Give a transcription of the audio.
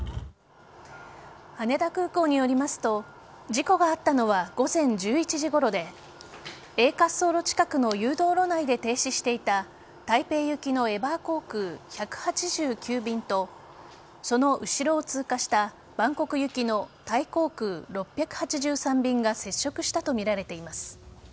羽田航空によりますと事故があったのは午前１１時ごろでＡ滑走路近くの誘導路内で停止していた台北行きのエバー航空１８９便とその後ろを通過したバンコク行きのタイ航空機６８３便が接触したとみられています。